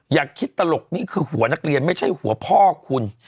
อย่าคิดตลกนี่คือหัวนักเรียนไม่ใช่หัวพ่อคุณ